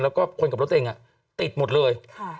แล้วก็คนกับรถตัวเองติดหมดเลย